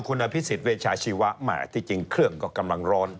คุณอภิษฎเวชาชีวะแหมที่จริงเครื่องก็กำลังร้อน